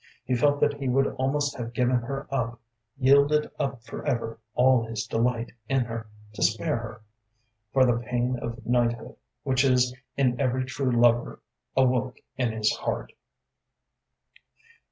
He felt that he would almost have given her up, yielded up forever all his delight in her, to spare her; for the pain of knighthood, which is in every true lover, awoke in his heart.